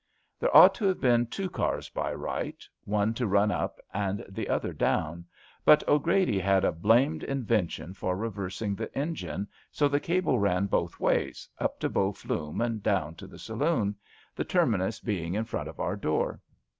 There onght to have been two cars by right — one to run up and the other down. But O 'Grady had a blimed in vention for reversing the engine, so the cable ran both ways — ^up to Bow Flume and down to the saloon — the terminus being in front of our door.